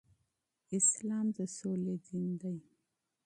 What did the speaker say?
اسلام د سولې دين دی